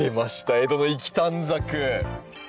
江戸の粋短冊。